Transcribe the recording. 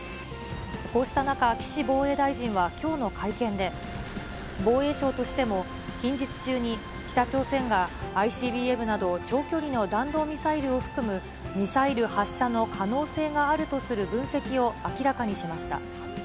こうした中、岸防衛大臣はきょうの会見で、防衛省としても、近日中に、北朝鮮がＩＣＢＭなど長距離の弾道ミサイルを含む、ミサイル発射の可能性があるとする分析を明らかにしました。